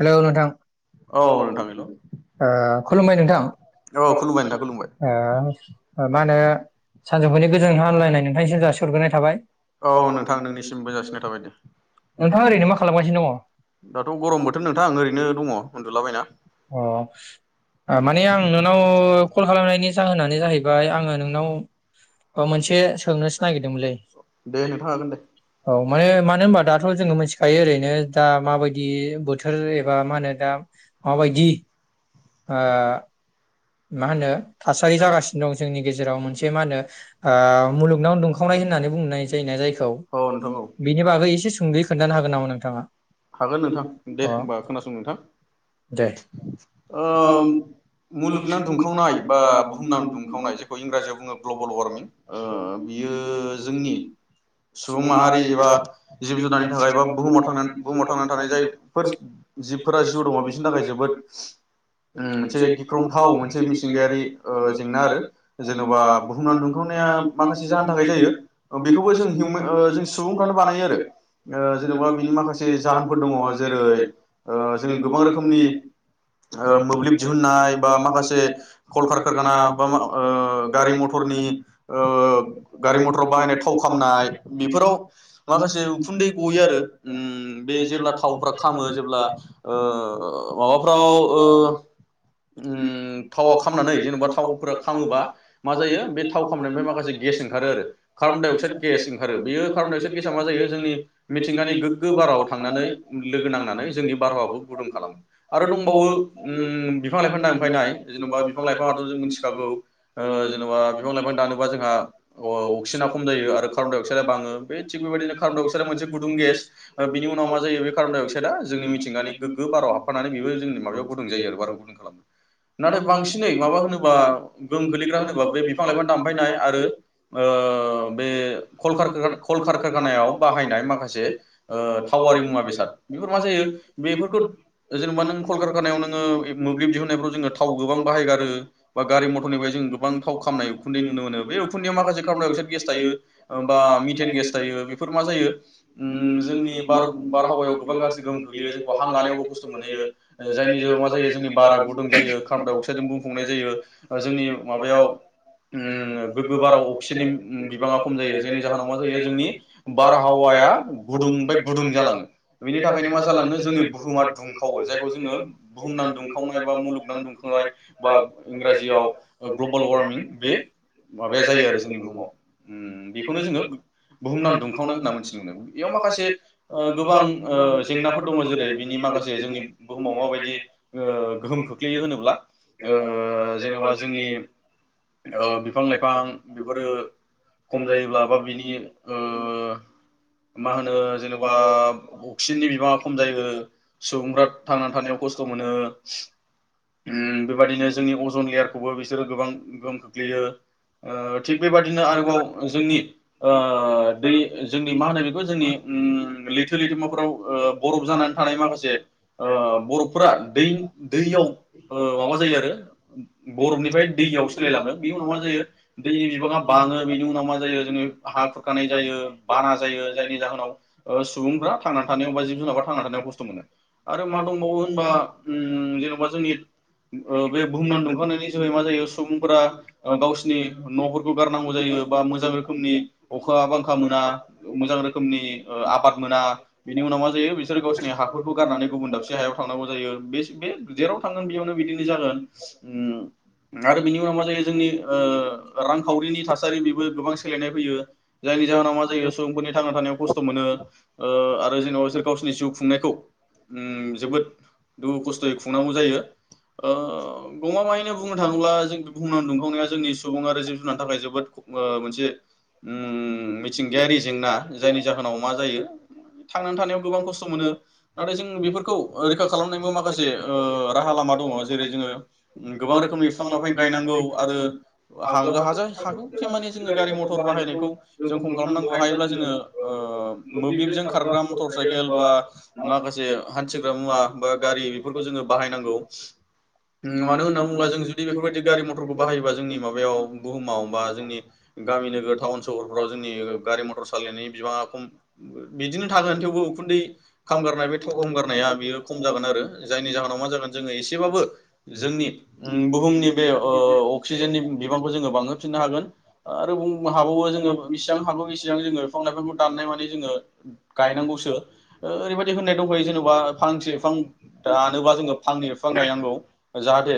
Hello नोंथां औ नोंथां हेल' ओ खुलुमबाय नोंथां औ ओ खुलुमबाय नोंथां खुलुमबाय मा होनो सानजौफुनि गोजोन हानलायनाय नोंथांनिसिम जासि सरग्रोनाय थाबाय। औ नोंथां नोंनिसिमबो जासिनाय थाबाय दे नोंथाङा ओरैनो मा खालामगासिनो दाथ गरम बोथो अ माने आं नोंनाव कल खालामनायनि जाहोनानो जाहैबाय आङो नोंनाव मोनसे सोंनोसो नागिरदोंमोनलै दे नोंथां हागोन दे औ माने मानो होनबा दाथ जोङो मिथिखायो ओरैनो दा माबायदि बोथोर एबा मा होनो दा माबायदि ओ मा होनो थासारि जागासिनो दं जोंनि गेजेराव मोनसे मा होनो ओ मुलुगनाव दुंखावनाय होननानै बुंनाय जायोना जायखौ औ नोंथां औ बिनि बागै एसे सुंदयै खोन्थानो हागोन नामा नोंथाङा हागोन नोंथां दे अ। होमबा खोनासं दे। ओ मुलुगनां दुंखावनाय बा बुहुमनां दुंखावनाय जेखौ इंराजियाव बुङो ग्लब ग्लबेल वार्मिं बियो जोंनि सुबुं माहारि एबा जिब जुनारनि थाखाय बा बुहुमाव बुहुमाव थांनानै थानाय जायफोर जिबफोरा जिउ दङ बिसनि थाखाय थानाय जोबोद उम मोनसे गिख्रंथाव मोनसे मिथिंगायारि ओ जेंना आरो जेनबा इमान दुंखावनाया माखासे जाहोननि थाखाय जायो ओम बेखौबो जों हिउमेन जेनेबा ओयो जों सुबुंफ्रानो बानायो आरो ओ जेनेबा बिनि माखासे जाहोनफोर दङ जेरै ओ जों गोबां रोखोमनि ओ मोब्लिब दिहुननाय बा माखासे कल खारखाना बा मा ओ गारि मथ हरनि ओ गारि मथर बाहायनाय थाव खामनाय बेफोराव माखासे उखुन्दै गयो आरो उम बे जेब्ला थावफ्रा खामो जेब्ला ओ ओ औ माबाफोर औ माबाफ्राव उम थावा खामनानै जेनबा थावफोरा खालामोबा मा जायो बे थाव खालामनायनिफ्राय माखासे गेस ओंखारो आरो कार्बन डाइ अक्साइड गेस ओंखारो बेयो कार्बन डाइ अक्साइड गेसा मा जायो जोंनि मिथिंगानि गोग्गो बाराव थांनानै गोहोम लोगो नांनानै जोंनि बारहावाखौ गुदुं खालामो। आरो दंबावो उम बिफां लाइफां दानफायनाय जेनबा बिफां लाइफाङाथ जों मिथिखागौ ओ जेनबा बिफां लाइफां दानोबा जोंहा औ अक्सिजेना खम जायो आरो कार्बनडाइअक्साइडआ बाङो बे थिग बेबायदिनो कार्बडाइ अक्साइडआ मोन गुदुं गेस ओ बिनि उनाव मा जायो बे कार्बनडाइअक्साइडआ जोंनि मिथिंगानि गोगो बाराव हाबफा माने बेबो जोंनि माबायाव गुदुंजायो आरो बाराव गुदुं खालामो नाथाय बांसिनै माबा होनोब्ला गोहोम गोलैयो गोग्लैग्रा होनोबा बे बिफ बिफां लाइफां दानफायनाय आरो ओ बे कलकारखो कलकारखानायाव बाहायनाय माखासे ओ थावआरि मुवा जोंनि बेसाद बेफोर मा जायो बेफोरखौ। ओजोंबा नों कलकारखानायाव नोङो एब मोब्लिब दिहुननायफ्राव जोङो थाव गोबां बाहायगारो बा गारि मथरनिफ्राय जों गोबां थाव। खामनाय उखुन्दै नुनो मोनो बे उखुन्दैआव माखासे कार्बनडाइअक्साइ गेस थायो ओम बा मिटेन गेस थायो बेफोर मा जायो उम जोंनि बा बार-बारहावायाव गोबां गाज्रि गोहोम खोख्लैयो जोंखौ हांलानायावबो ग थु माने जोंनि ओ जायनि जाहोनाव मा जायो जोंनि बारा गुदुं बाराखौ जायो कार्बडाइअक्सायड जों बुंफबनाय जायो ओ जोंनि माबायाव। उम गोग्गो बाराव अक्सिजेन उम बिबाङा खम जायो जायनि जाहोनाव मा जायो जोंनि बारहावाया गुदुं निफाय गुदुं जालाङो बेनि थाखायनो मा जालांयो जोंनि बुहुमा दु दुंखायो जायखौ जोङो बुहुमनां दुंखावनाय बा मुलुगनां दुंखावनाय बा इंराजियाव ओ ग्लबाल वारमिं बे माबाया जायो आरो जोंनि बुहुमाव उम बेखौनो जोङो गो बुहुमनां दुंखावनाय होनना मोनथिनो मोनो बेयाव माखासे ओ गोबां ओ जेंनाफोर दङ जेरै बिनि माखासे। बुहुमाव माबायदि ओ गोहोम खोख्लैयो होनोब्ला ओ जेनेबा जोंनि। ओ बिफां लाइफां बेफोरो खम जायोब्ला बा बिनि ओ मा होनो जेनबा अक्सिजेननि बिबाङा खम जायो। सुबुंफ्रा थांनानै थानायाव खस्थ मोनो उम बेबादिनो जोंनि अजन लेयारखौबो बिसोरो गोबां गोहोम गोग्लैयो ओ थिग बेबादिनो आरोबाव जोंनि ओ दै जोंनि मा होनो बेखौ बेबो जोंनि उम लैथो एक्सुलि जोंनाव लैथोमाफोराव ओयो ओ गरम बरफ जानाय जानानै थानाय माखासे। ओ बरफफोरा दैनि दैयाव ओ माबा जायो आरो बरफनिफ्राय दैयाव सोलायलाङो। बेनि उनाव मा जायो दैनि बिबाङा बांङो बेनि उनाव मा जायो जोंनि हा खुरखानाय जायो बाना जायो जायनि जाहोनाव ओयो सुबुंफोरा सुबुंफ्रा थांनानै थानायाव बा जिब जुनारफोरा थांना थानायाव खस्थ मोनो। आरो मा दंबावो होनबा उम जेनबा जोंनि ओ बे बुहुमनां दुंखांनायनि जोहै मा जायो सुबुंफोरा। ओ गावसिनि न'फोरखौ गारनांगौ जायो बा मोजां रोखोमनि अखा बांखा मोना ओ मोजां रोखोमनि ओ आबाद मोना बेनि उनाव मा जायो बिसोर गावसिनि हाफोर खौ गारनानै गुबुन दाबसे हायाव थांनांगौ जायो बेस बे जेराव थांगोन बेयावनो बिदिनो जागोन उम आरो बिनि उनाव मा जायो। जोंनि ओ रांखावरिनि थासारि बेबो गोबां सोलायनाय फैयो जायनि जाहोनाव मा जायो सुबुंफोरनि थांना थानायाव खस्थ मोनो ओ आरो जेनबा बिसोर गावसोरनि जिउ खुंनायखौ ओम जोबोद दुखु खस्थयै खुंनांगौ जायो ओ गमामायैनो बुंनो थाङोब्ला जों [unintelligible] [unintelligible] जोंनि सुबुं आरो जिब जुनारनि थाखाय जोबोद ओ मोनसे उम मिथिंगायारि जेंना जायनि जाहोनाव मा जायो थांनानै थानायाव गोबां खस्थ मोनो। जोंनि नाथाय जों बेफोरखौ रैखा खालामनायनिबो माखासे ओ राहा लामा दङ जेरै जोङो गोबां रोखोमनि बिफां लाइफां गायनांगौ। आरो हांगा हाजों खागौ इमानि जोङो गारि मथर बाहायनायखौ जों खम खालामनांगौ हायोब्ला जोङो ओ मोब्लिबजों खारग्रा मटर साइकेल बा माखास जे हान्थिग्रा मुवा बा गारि बेफोरखौ जोङो बाहायनांगौ ओ मानो होनना बुङोब्ला जों जुदि बेफोरबायदि गारि मथ फोरखौ बाहायोबा जोंनि माबायाव बुहुमाव बा जोंनि गामि नोगोर टाउन सहरफ्राव जोंनि गारि मथर सालायनायनि बिबाङा खम बिदिनो थागोन थेवबो उखुन्दै खामगारनाय बे था गुबुंगारनाया बियो खम जागोन आरो जायनि जाहोनाव मा जागोन जोङो एसेबाबो जोंनि ओम बुहुमनि बे ओ अक्सिजेननि बिबांखौ जोङो बांहोफिननो हागोन आरो बुं हाबावो जोङो बेसिबां हागौ बेसेबां जोङो बिफां लाइफांखौ दाननाय माने जोङो दानो गायनांगौसो ओ ओरैबायदि होननाय [unintelligible] यो जेनबा फांसे बिफां दानोबा रानोबा जोङो फांनै बिफां गायनांगौ जाहाथे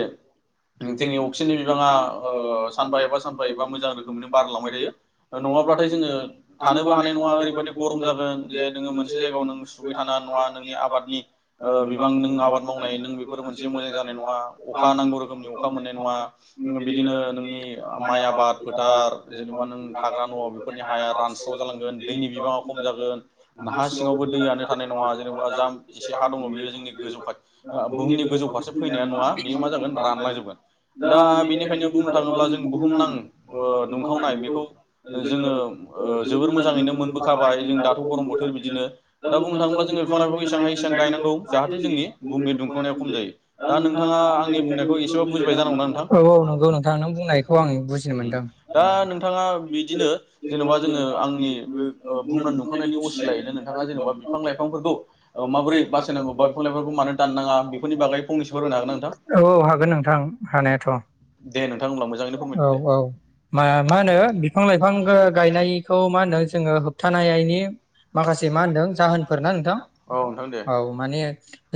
जोंनि अक सिजेननि ओ बिबाङा सानफा एबा सानफा एबा बिफां मोजां रोखोमैनो मोनो बारलांबाय बारहावायो थायो। नङाब्लाथाय जोङो थानोबो हानाय नङा ओरैबदि गरम जागोन जे नोङो मोनसे जायगायाव नों सुगै थानो हा नङा नोंनि आबादनि ओ बिबां मोनसे नों आबाद मावनाय नों बेफोर मोनसे मोजां जानाय नङा अखा नांगौ रोखोमनि अखा मोननाय नङा। बिदिनो नोंनि ओ माइ आबाद फोथार जेनबा जोंनि नों थाग्रा न' बेफोरनि हाया रानस्राव जालांगोन दैनि बिबाङा खम जागोन न हा सिङावबो दैयानो थानाय नङा। जाम एसे हा दङ बेयो जोंनि गोजौ ओ बुहुमनि गोजौ फारसे फैनाया नङा बेयो मा जागोन रानलांजोबगोन। दा बेबायदि बेनिखायनो बुंनो थाङोबा थाङोब्ला जों बुहुम नां बुहुमनां ओ दुंखावनाय बेखौ जोङो ओ जोबोद जोबोर मोजाङै मोजाङैनो मोनबोखाबाय जों दाथ' गरम बोथोर बिदिनो दा बुंनो थाङोब्ला जोङो फिफां लाइफांखौ एसां हायो एसां गायनांगौ जाहाथे जोंनि बुुमनि दुंखांनाया खम जायो दा नोंथाङा आंनि बुंनायखौ एसेबाबो बुजिबाय जानांगौ ना औ औ नंगौ नोंथां नों बुंनायखौ आं बुजिनो उम मोनदों। दा नोंथाङा बिदिनो जेन'बा जोङो आंनि बे ओ बुहुमनां दुंखावनायनि असिलायैनो नोंथाङा जेन'बा बिफां लाइफांफोरखौ ओ माबोरै बासायनांगौ बा बिफां लाइफांखौ मानो दाननाङा बेफोरनि बागै फंनैसो फोरमायनो हागोन ना नोंथां [unintelligible] औ हागोन नोंथां। हानायाथ' दे नोंथां होमब्ला मोजाङैनो औ फोरमायदो दे औ मा मा होनो बिफां लाइफां गा-गायनायखौ मा होनो जोङो होबथानायनि माखासे मा होनदों जाहोन फोरना नोंथां औ नोंथां दे औ माने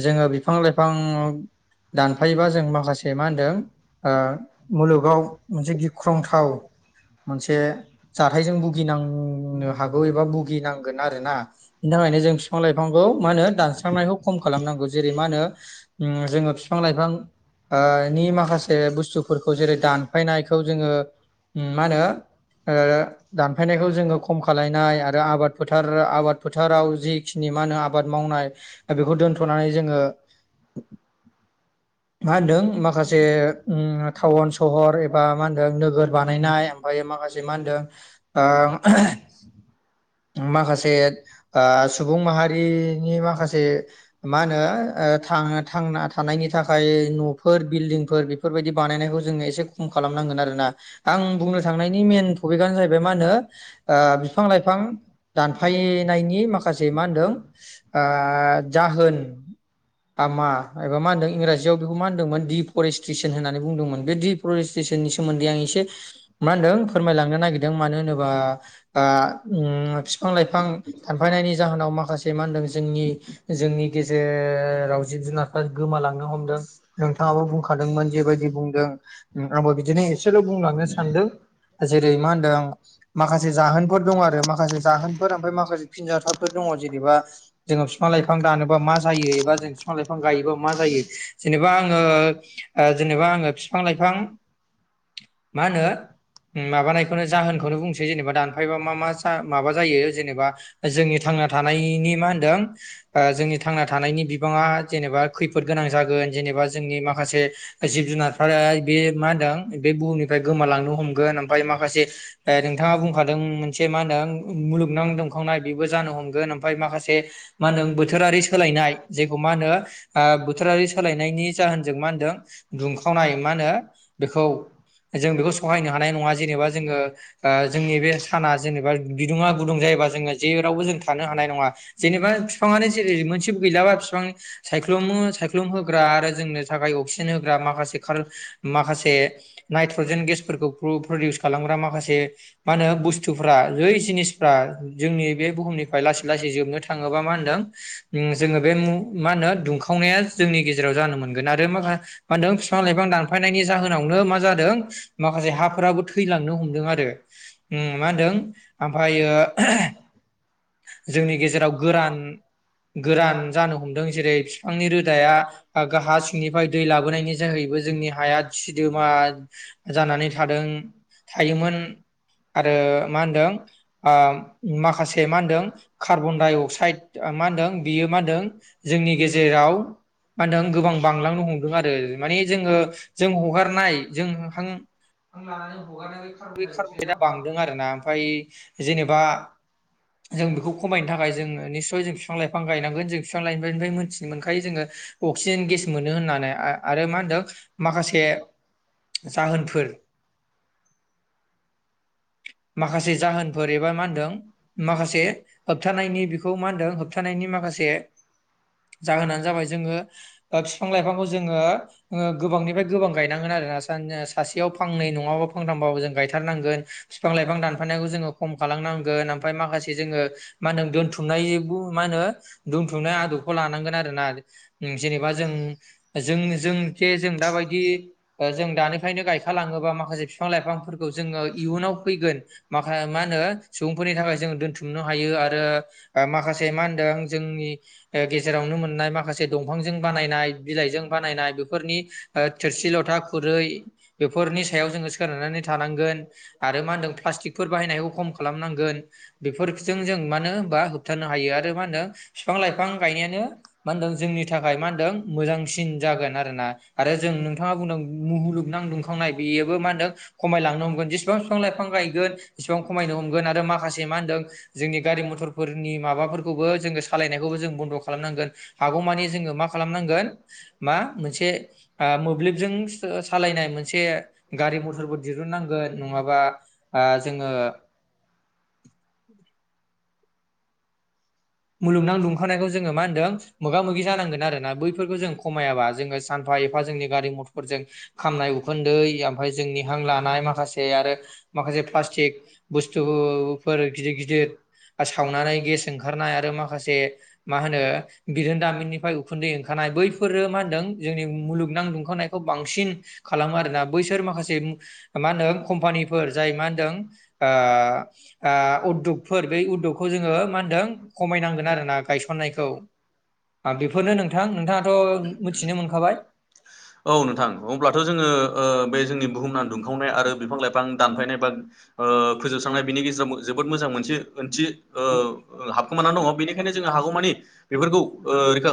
जोङो बिफां लाइफां दानफायोबा जों माखासे मा होनदों ओ मुलुगाव मोनसे गिख्रंथाव मोनसे जाथायजों भुगिनांनो हागौ एबा भुगिनांगोन आरोना बिनि थाखायनो जों बिफां लाइफांखौ मा होनो दासिमबो दानस्रांनायखौ खम खालामनांगौ जेरै मा होनो ओम जोङो बिफां लाइफां ओ नि माखासे बुस्थुफोरखौ जेरै दानफायनायखौ जोङो ओम मा होनो ओ दानफायनायखौ जोङो खम खालायनाय आरो आबाद फोथार आबाद फोथाराव जि खिनि मा होनो आबाद मावनाय बेखौ दोनथनानै जोङो मा होनदों माखासे ओ टाउन सहर एबा मा होनदों नोगोर बानायनाय ओमफाय माखासे मा होनदों ओ माखासे ओ सुबुं माहारिनि माखासे मा होनो ओ थाङो थांना थानायनि थाखा खाय नफोर बिल्डिंफोर बेफोरबायदि बानायनायखौ जोङो एसे खम खालामनांगोन आरोना आं बुंनो थांनायनि मेइन टपिकआनो जाहैबाय मा होनो ओ बिफां लाइफां दानफायनायनि माखासे मा होनदों ओ जाहोन हामा एबा मा होनदों इ [unintelligible] मा होनदोंमोन दि फरेस्ट्रेसन होननानै बुंदोंमोन बे दि फरेस्ट्रेसन नि सोमोन्दै आं एसे मा होनदों फोरमायलांनो नागिरदों मानो होनोबा आ उम बिफां लाइफां दानफायनायनि जाहोनाव माखासे मा होनदों जोंनि जोंनि गेजेराव जिब जुनारफ्रा गोमालांनो हम नोंथाङाबो बुंखादोंमोन जेबायदि बुंदों आंबो बिदिनो एसेल बुंलांनो सानदों जेरै मा होनदों माखासे जाहोनफोर दं आरो माखासे जाहोनफोर ओमफ्राय माखासे फिनजावाथावफोर दङ जेनेबा जोंङो बिफां लाइफां दानोबा मा जायो एबा जों बिफां लाइफां गायोबा मा जायो? जेनेबा आङो जेनेबा आङो बिफां लाइफां मा होनो माबानायखौनो जाहोनखौनो बुंसै जेनेबा दानफायबा मा मा जा मा जायो जेनेबा जोंनि थांना थानायनि मा होनदों ओ जोंनि थांना थानायनि बिबाङा जेनेबा खैफोद गोनां जा जेनेबा जोंनि माखासे जिब जुनारफोरा बे मा होनदों बे बुहुमनिफ्राय गोमालांनो हमगोन ओमफ्राय माखासे नोंथाङा बुंखादों मोनसे मा होनदों मुलुगनां दुंखावनाय बेबो जानो हमगोन ओमफ्राय माखासे मा होनो बोथोरारि सोलायनाय जेखौ मा होनो ओ बोथोर सोलायनायनि जाहोनजों मा होनदों दुंखावनाय मा होनो बेखौ जों बेखौ सहायनो हानाय नङा जेनेबा जोङो ओ जोंनि बे साना जेनेबा बिदुङा गुदुं जायोबा जोङो जेरावबो जों थानो हानाय नङा जेनेबा बिफाङानो जेरै मोनसे गैलाबा बिफां सायख्लुमो सायख्ल दुं होग्रा आरो जोंनो थाखाय अक्सिजेन होग्रा माखासे माखासे नाइट्रजेन गेसफोरखौ प्रडिउस खालामग्रा माखासे मा होनो बुस्थुफ्रा बे जिनिसफ्रा जोंनि बे बुहुमनिफ्राय लासै लासै जोबनो थाङोबा मा होनदों ओम जोङो बे मु मा होनो दुंखावनाया जो जेराव जानो मोनगोन आरो माखा मा होनदों बिफां लाइफां दानफायनायनि जाहोनावनो मा जादों माखासे हाफोराबो थैलांनो हमदों आरो ओम मा होनदों आमफ्रायो जोंनि गेजेराव गोरान गोरान जानो हमदों जेरै बिफांनि रोदाया गाहा सिंनिफ्राय दै लाबोनायनि जोहैबो जोंनि हाया सिदोमा जानानै थादों थायोमोन आरो मा होनदों ओ माखासे मा होनदों कार्बन डाइ अक्साइद मा होनदों बियो मा होनदों जोंनि गेजेराव मा होनदों गोबां बांलांनो हमदों आरो माने जोङो जों हगारनाय जों हां हां लानानै बे कार्बन गेटआ बांदों आरोना ओमफ्राय जेनेबा जों बेखौ खमायनो थाखाय जों निसय जों बिफां लाइफां गायनांगोन जों बिफां लाइफांनिफ्राय मोनथिनो मोनखायो जोङो अक्सिजेन गेस मोनो होननानै आरो मा होनदों माखासे जाहोनफोर माखासे जाहोनफोर एबा मा होनदों माखासे होबथानायनि बेखौ मा होनदों होबथानायनि माखासे जाहोनानो जाबाय जोङो ओ बिफां लाइफांखौ जोङो गोबांनिफ्राय गोबां गायनांगोन आरो ना सा सासेयाव फांनै नङाबा फांथाम बाबो जों गायथार नांगोन फिफां बिफां दानफायनायखौ जों खम खालामनांगोन ओमफ्राय माखासे जोङो मा होनदों दोनथुमनाय मा होनो दोनथुमनाय आदबखौ लोनांगोन आरोना जेनेबा जों-जों-जों-जोंखि दा बायदि जों दानिफ्रायनो गायखालाङोबा माखासे फिफां बिफां लाइफां फोरखौ जोङो इयुनाव फो माखा मा होनो सुबुंफोरनि थाखाय जों दोनथुमनो हायो आरो माखासे मा होनदों जोंनि गेजेरावनो मोननाय माखासे दंफांजों बानायनाय बिलाइजों बानायनाय बेफोरनि थोरसि लथा खुरै बेफोरनि सायाव जोङो सो सोनारनानै थानांगोन आ आरो मा होनदों प्लास्टिकफोर बाहायनायखौ खम खालामनांगोन बेफोरजों जों मानो होनोमबा होबथानो हायो आरो मा होनदों बिफां लाइफां गायनायानो मा होनदों जोंनि थाखाय मा होनदों मोजांसिन जागोन आरो ना आरो जों नोंथाङा बुंदों मुहुलुगनां दुंखावनाय बेयोबो मा होनदों खमायलांनो हमगोन जेसेबां बिफां लाइफां गायगोन इसिबां खमायनो हमगोन आरो माखासे मा होनदों जोंनि गारि मथरफोरनि माबाफोरखौबो जोङो सालायनायखौबो जों बन्द खालामनांगोन हागौमानि जोङो मा खालामनांगोन मा मोनसे मोब्लिबजों सालायनाय मोनसे गारि मथर फोरबो दिहुननांगोन नङा माबा आ जोङो औ मुलुगनां दुंखांनायखौ जोङो मा होन्दों मोगा मोगि जानांगोन आरो ना बैफोरखौ जों खमायाबा जोङो सानफा एफा जोंनि गारि मथरजों खामनाय उखुन्दै ओमफ्राय जोंनि हां लानाय माखासे आरो माखासे प्लास्टिक बुस्थुफोर गिदिर गिदिर आ सावनानै गेस ओंखारनाय माखासे मा होनो बिरोंदामिननिफ्राय उखुन्दै ओंखारनाय बैफोरो मा होनदों जोंनि मुलुगनां दुंखांनायखौ बांसिन खालामो आरोना बैसोर माखासे मा होनो कम्पानिफोर जाय मा होनदों उददगफोर ब उददगखौ जोङो मा होनदों? औ खमायनांगोन आरोना गायसननायखौ बेफोरनो नोंथां नोंथाङाथ' मिथिनो नोंथां अब्लाथ जोङो ओ बे जोंनि बुहुमना मोनखाबाय दुंखावनाय आरो बिफां लाइफां दानफायनाय बा ओ फोजोबस्रांनाय बिनि गेजेराव जोबोद मोजां मोनसे ओंथि ओ हाब खोमाना दङ बेनिखायनो जोङो हागौमानि बेफोरखौ ओ रैखा